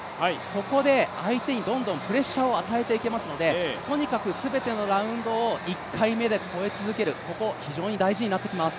ここで相手にどんどんプレッシャーを与えていけますので、とにかく全てのラウンドを１回目で越え続ける、ここ、非常に大事になってきます。